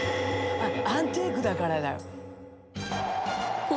アンティークだからだよ。